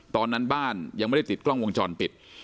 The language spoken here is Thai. ตอนนั้นบ้านยังไม่ได้ติดกล้องวงจรปิด